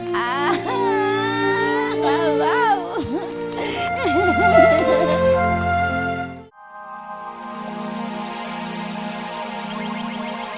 bebek masih marah sama papa